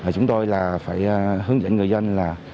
chúng tôi phải hướng dẫn người dân là